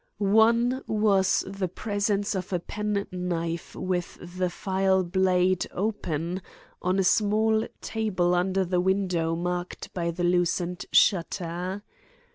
One was the presence of a penknife with the file blade open, on a small table under the window marked by the loosened shutter.